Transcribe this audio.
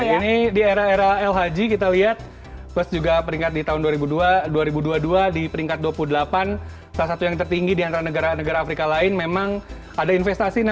ini di era era el haji kita lihat plus juga peringkat di tahun dua ribu dua di peringkat dua puluh delapan salah satu yang tertinggi di antara negara negara afrika lain memang ada investasi enam puluh lima juta